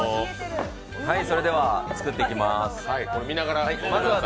それでは作っていきます。